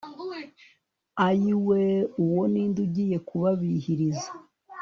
ayiwee Uwo ninde ugiye kubabihiriza